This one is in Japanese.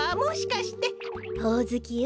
ほおずきよ。